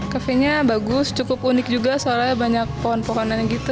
cafe nya bagus cukup unik juga soalnya banyak pohon pohonannya gitu